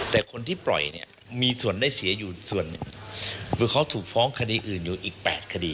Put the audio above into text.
แต่คนที่ปล่อยเนี่ยมีส่วนได้เสียอยู่ส่วนหนึ่งคือเขาถูกฟ้องคดีอื่นอยู่อีก๘คดี